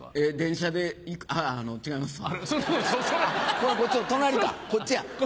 これこっちの隣かこっちや。